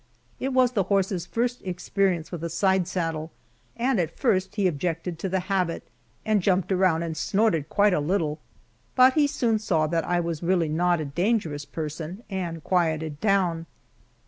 It was the horse's first experience with a side saddle, and at first he objected to the habit and jumped around and snorted quite a little, but he soon saw that I was really not a dangerous person and quieted down.